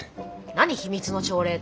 何秘密の朝礼って。